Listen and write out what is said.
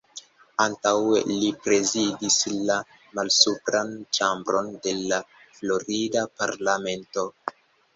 Antaŭe li prezidis la malsupran ĉambron de la florida parlamento.